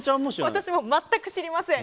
私も全く知りません。